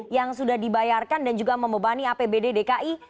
yang sudah dibayarkan dan juga membebani apbd dki